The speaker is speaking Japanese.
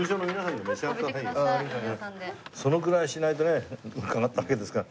そのぐらいしないとね伺ったわけですから。